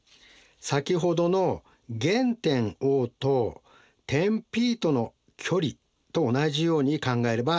先ほどの原点Ｏと点Ｐとの距離と同じように考えればいいですよね。